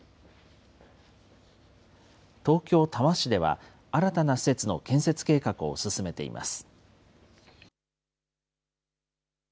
東京・多摩市では、新たな施設の建設計画を進めています。